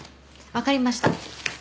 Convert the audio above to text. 分かりました。